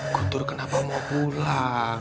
guntur kenapa mau pulang